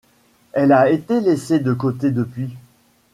Elle a été laissée de côté depuis.